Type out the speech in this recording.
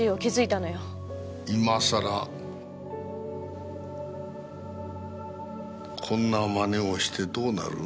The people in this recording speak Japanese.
今さらこんな真似をしてどうなる？